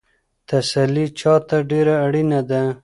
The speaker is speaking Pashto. تسلي چا ته ډېره اړینه ده؟